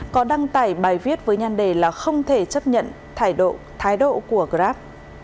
có đăng tải bài viết với nhan đề là không thể chấp nhận thái độ của grab